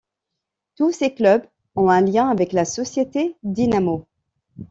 Tous ces clubs ont un lien avec la société Dynamo.